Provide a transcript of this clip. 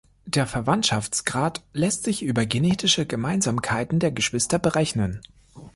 Der Verwandtschaftsgrad lässt sich über genetische Gemeinsamkeiten der Geschwister berechnen.